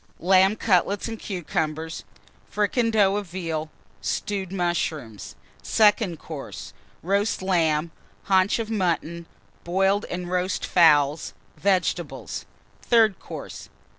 Lamb Cutlets and Cucumbers. Fricandeau of Veal. Stewed Mushrooms. SECOND COURSE. Roast Lamb. Haunch of Mutton. Boiled and Roast Fowls. Vegetables. THIRD COURSE.